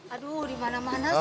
aduh di mana mana